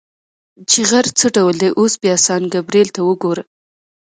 چې غر څه ډول دی، اوس بیا سان ګبرېل ته وګوره.